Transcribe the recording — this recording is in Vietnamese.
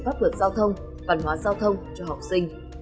pháp luật giao thông văn hóa giao thông cho học sinh